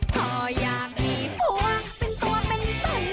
พออยากมีผัวเป็นตัวเป็นสัน